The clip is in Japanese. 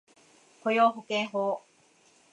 雇用保険法